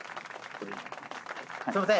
すいません